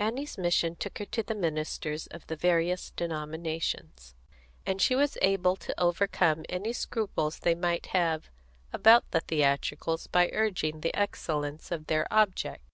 Annie's mission took her to the ministers of the various denominations, and she was able to overcome any scruples they might have about the theatricals by urging the excellence of their object.